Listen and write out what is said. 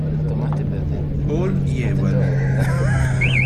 Paul Jewell